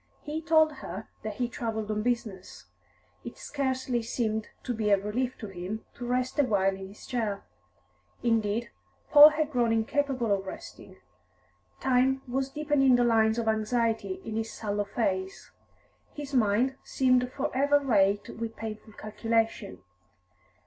He told her that he travelled on business. It scarcely seemed to be a relief to him to rest awhile in his chair; indeed, Paul had grown incapable of resting. Time was deepening the lines of anxiety on his sallow face. His mind seemed for ever racked with painful calculation.